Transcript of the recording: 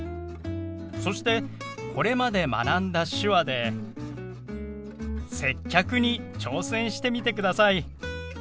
そしてこれまで学んだ手話で接客に挑戦してみてください。